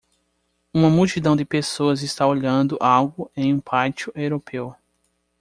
Uma multidão de pessoas está olhando algo em um pátio europeu.